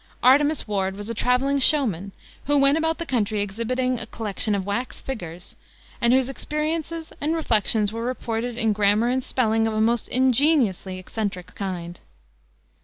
Artemus Ward was a traveling showman who went about the country exhibiting a collection of wax "figgers" and whose experiences and reflections were reported in grammar and spelling of a most ingeniously eccentric kind.